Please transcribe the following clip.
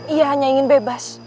ia hanya ingin bebas